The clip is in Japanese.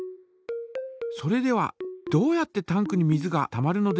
それではどうやってタンクに水がたまるのでしょうか。